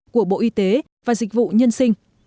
của bộ y tế và dịch vụ nhân sinh